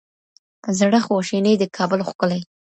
په زړه خواشیني د کابل ښکلي